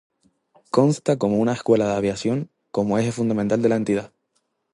Consta de una escuela de aviación como eje fundamental de la entidad.